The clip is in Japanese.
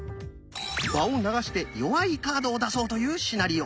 場を流して弱いカードを出そうというシナリオ。